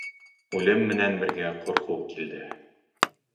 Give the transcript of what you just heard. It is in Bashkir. Үлем менән бергә Ҡурҡыу килде.